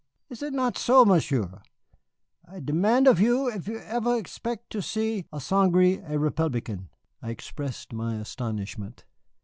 Is it not so, Monsieur? I deman' of you if you ever expec' to see a St. Gré a Republican." I expressed my astonishment.